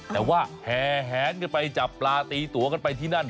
แต่ว่าแห่แหงกันไปจับปลาตีตัวกันไปที่นั่น